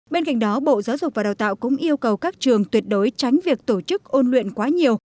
bên cạnh đó bộ giáo dục và đào tạo cũng yêu cầu các trường tuyệt đối tránh việc tổ chức ôn luyện quá nhiều